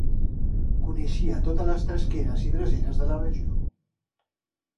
Coneixia totes les tresqueres i dreceres de la regió.